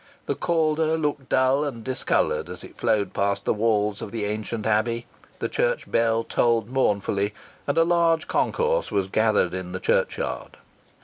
The Calder looked dull and discoloured as it flowed past the walls of the ancient Abbey. The church bell tolled mournfully, and a large concourse was gathered in the churchyard.